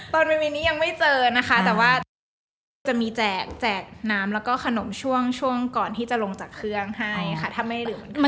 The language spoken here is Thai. บริเวณนี้ยังไม่เจอนะคะแต่ว่าจะมีแจกน้ำแล้วก็ขนมช่วงช่วงก่อนที่จะลงจากเครื่องให้ค่ะถ้าไม่ลืม